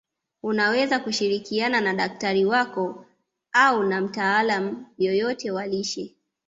Unaweza kushirikiana na daktari wako au na mtaalamu yoyote wa lishe